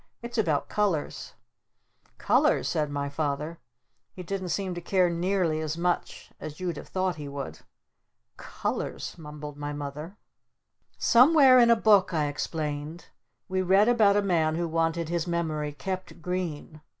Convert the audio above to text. "It's about colors." "Colors?" said my Father. He didn't seem to care nearly as much as you'd have thought he would. "C Colors," mumbled my Mother. "Somewhere in a book," I explained, "we read about a man who wanted his memory 'kept green?'